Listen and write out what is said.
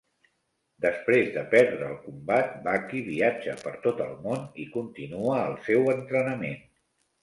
Després de perdre el combat, Baki viatja per tot el món i continua el seu entrenament.